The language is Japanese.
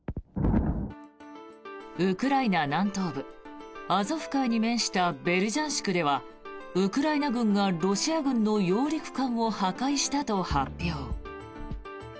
ウクライナ南東部アゾフ海に面したベルジャンシクではウクライナ軍がロシア軍の揚陸艦を破壊したと発表。